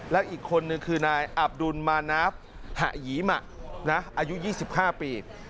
และอีกคนนึงคือนายอับดุลมานาฟหะหยีมะอายุ๒๕ปี